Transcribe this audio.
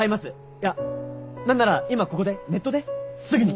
いや何なら今ここでネットですぐに！